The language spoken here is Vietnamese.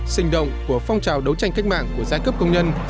sinh động của phong trào đấu tranh cách mạng của giai cấp công nhân